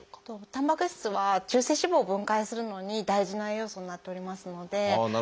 たんぱく質は中性脂肪を分解するのに大事な栄養素になっておりますので。